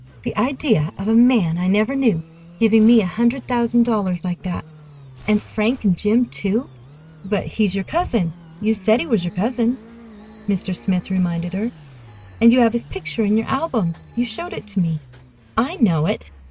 "The idea of a man I never saw giving me a hundred thousand dollars like that!—and Frank and Jim, too!" "But he's your cousin—you said he was your cousin," Mr. Smith reminded her. "And you have his picture in your album. You showed it to me." "I know it.